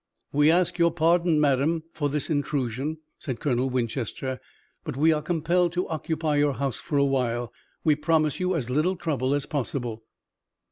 "We ask your pardon, madame, for this intrusion," said Colonel Winchester, "but we are compelled to occupy your house a while. We promise you as little trouble as possible."